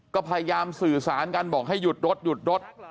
ก็พยายามสื่อสารกันบอกให้หยุดรถหยุดรถ